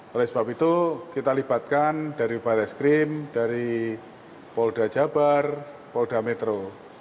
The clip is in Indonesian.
oleh sebab itu kita libatkan dari baris krim dari polda jabar polda metro